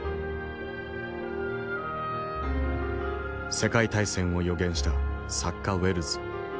世界大戦を予言した作家ウェルズ。